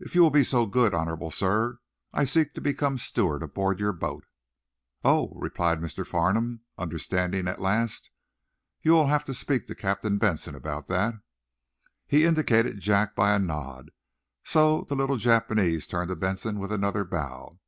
"If you will be so good, honorable sir. I seek to become steward aboard your boat." "Oh," replied M. Farnum, understanding, at last. "You will have to speak to Captain Benson about that." He indicated Jack by a nod, so the little Japanese turned to Benson with another bow.